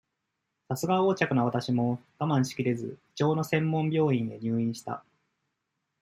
さすが横着な私も、我慢しきれず、胃腸の専門病院へ入院した。